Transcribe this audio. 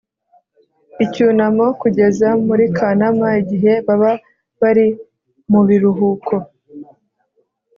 icyunamo kugeza muri Kanama igihe baba bari mu biruhuko